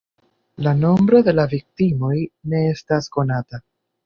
La nombro de la viktimoj ne estas konata.